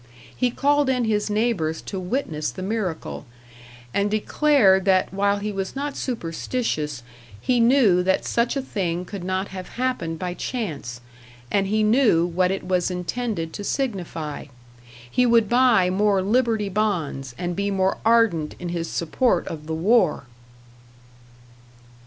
He called in his neighbors to witness the miracle, and declared that while he was not superstitious, he knew that such a thing could not have happened by chance, and he knew what it was intended to signify he would buy more Liberty Bonds and be more ardent in his support of the war!